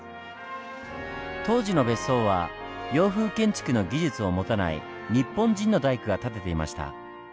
当時の別荘は洋風建築の技術を持たない日本人の大工が建てていました。